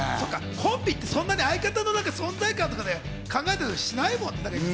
コンビってそんなに相方の存在感とかで考えたりしないもんね。